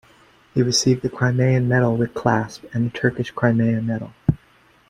He received the Crimean Medal with clasp, and the Turkish Crimea Medal.